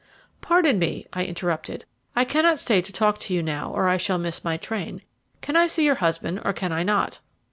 "Pardon me," I interrupted, "I cannot stay to talk to you now or I shall miss my train. Can I see your husband or can I not?"